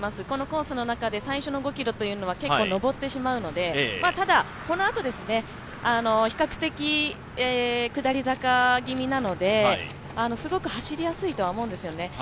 このコースの中で最初の５ｋｍというのは結構、上ってしまうのでただ、このあと比較的、下り坂気味なのですごく走りやすいとは思うんですよね。